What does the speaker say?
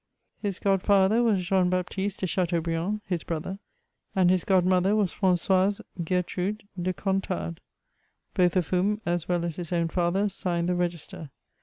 His godfather was Jean Baptiste de Chateaubriand (his brother), and his godmother was Fran9oise Gertrude de Contades, both of whom, as well as his own father, signed the register.